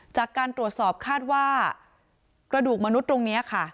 จากการตรวจสอบคาดว่ากระดูกมนุษย์ตรงนี้ค่ะ